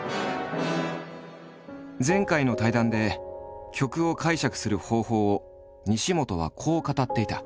前回の対談で曲を解釈する方法を西本はこう語っていた。